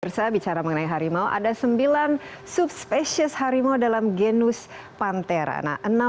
saya bicara mengenai harimau ada sembilan subspesies harimau dalam genus pantera